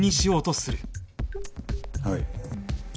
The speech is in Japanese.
はい。